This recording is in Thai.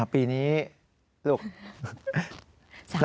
ปีนี้ลูก